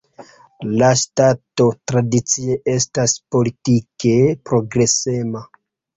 La ŝtato tradicie estas politike progresema.